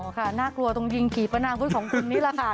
ค่ะน่ากลัวตรงยิงขี่ปนาคุธของคุณนี่แหละค่ะ